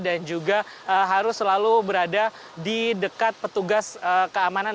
dan juga harus selalu berada di dekat petugas keamanan